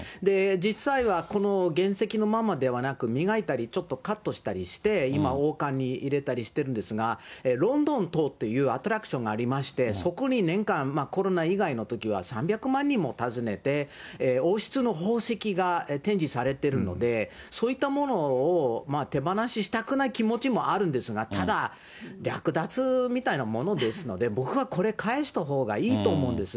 実際はこの原石のままではなく、磨いたり、ちょっとカットしたりして、今、王冠に入れたりしてるんですが、ロンドン塔っていうアトラクションがありまして、そこに年間、コロナ以外のときは３００万人も訪ねて、王室の宝石が展示されているので、そういったものを手放したくない気持ちもあるんですが、ただ、略奪みたいなものですので、僕はこれ、返したほうがいいと思うんです。